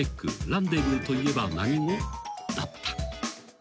ランデブーといえば何語」だった］